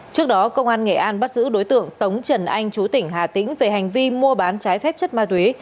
trước đó công an nghệ an bắt giữ đối tượng tống trần anh chú tỉnh hà tĩnh về hành vi mua bán trái phép chất ma túy